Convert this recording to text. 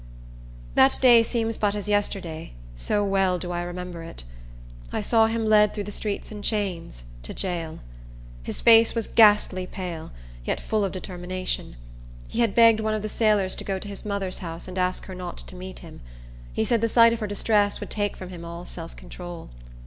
That day seems but as yesterday, so well do I remember it. I saw him led through the streets in chains, to jail. His face was ghastly pale, yet full of determination. He had begged one of the sailors to go to his mother's house and ask her not to meet him. He said the sight of her distress would take from him all self control.